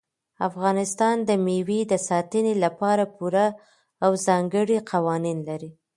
افغانستان د مېوو د ساتنې لپاره پوره او ځانګړي قوانین لري.